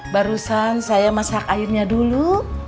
barusan saya masak airnya dulu